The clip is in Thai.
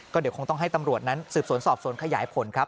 เดี๋ยวคงต้องให้ตำรวจนั้นสืบสวนสอบสวนขยายผลครับ